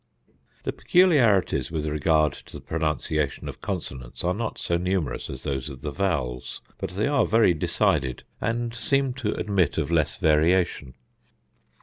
The peculiarities with regard to the pronunciation of consonants are not so numerous as those of the vowels, but they are very decided, and seem to admit of less variation.